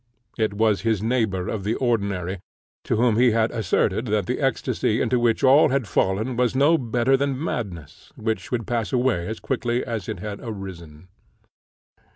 It was his neighbour of the ordinary, to whom he had asserted that the ecstasy into which all had fallen was no better than madness, which would pass away as quickly as it had arisen.